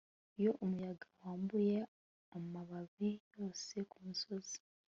Iyo umuyaga wambuye amababi yose kumusozi